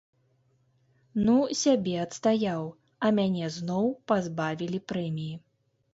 Ну, сябе адстаяў, а мяне зноў пазбавілі прэміі.